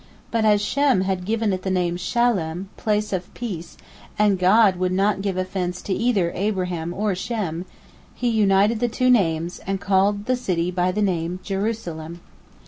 But as Shem had given it the name Shalem, Place of Peace, and God would not give offence to either Abraham or Shem, He united the two names, and called the city by the name Jerusalem.